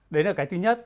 đấy là cái thứ nhất